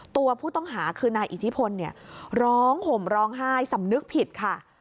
ตัวผู้ต้องหาคือนายอิทธิพลเนี่ยร้องห่มร้องไห้สำนึกผิดค่ะ